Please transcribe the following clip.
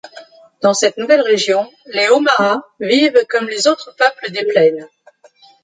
Dans cette nouvelle région, les Omahas vivent comme les autres peuples des plaines.